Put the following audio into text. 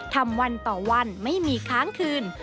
ทำวันต่อวันไม่มีค้างคืน